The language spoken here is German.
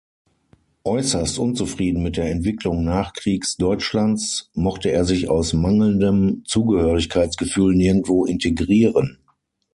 Äußerst unzufrieden mit der Entwicklung Nachkriegsdeutschlands mochte er sich aus mangelndem Zugehörigkeitsgefühl nirgendwo integrieren.